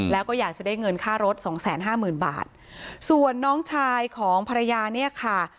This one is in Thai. แล้วก็อยากจะได้เงินค่ารถสองแสนห้าหมื่นบาทส่วนน้องชายของภรรยาเนี่ยค่ะ